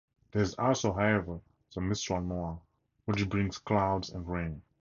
There is also, however, the mistral noir, which brings clouds and rain.